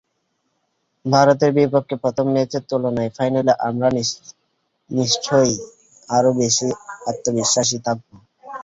ভারতের বিপক্ষে প্রথম ম্যাচের তুলনায় ফাইনালে আমরা নিশ্চয়ই আরও বেশি আত্মবিশ্বাসী থাকব।